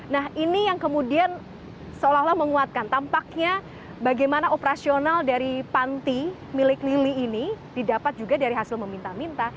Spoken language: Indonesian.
nah ini yang kemudian seolah olah menguatkan tampaknya bagaimana operasional dari panti milik lili ini didapat juga dari hasil meminta minta